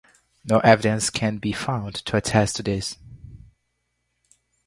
No evidence can be found to attest to this.